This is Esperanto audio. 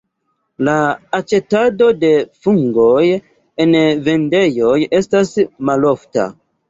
La aĉetado de fungoj en vendejoj estas malofta.